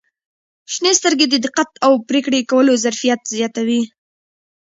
• شنې سترګې د دقت او پرېکړې کولو ظرفیت زیاتوي.